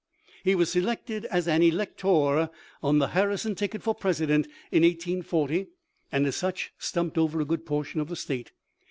He was selected as an Elector on the Harrison ticket for President in 1840, and as such stumped over a good portion of the State.